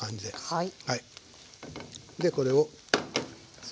はい。